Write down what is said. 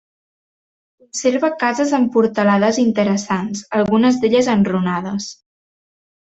Conserva cases amb portalades interessants, algunes d'elles enrunades.